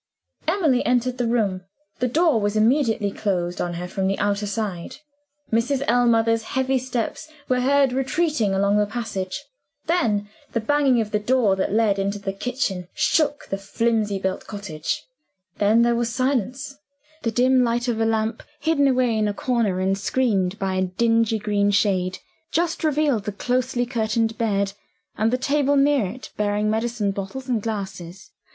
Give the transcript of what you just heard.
Emily entered the room. The door was immediately closed on her from the outer side. Mrs. Ellmother's heavy steps were heard retreating along the passage. Then the banging of the door that led into the kitchen shook the flimsily built cottage. Then, there was silence. The dim light of a lamp hidden away in a corner and screened by a dingy green shade, just revealed the closely curtained bed, and the table near it bearing medicine bottles and glasses.